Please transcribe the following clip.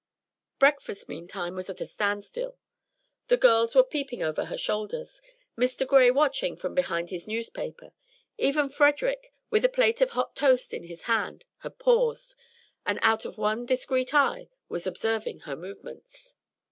Breakfast meantime was at a stand still. The girls were peeping over her shoulders, Mr. Gray watching from behind his newspaper; even Frederic, with a plate of hot toast in his hand, had paused, and out of one discreet eye was observing her movements.